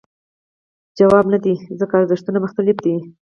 ځواب نه دی ځکه ارزښتونه مختلف دي.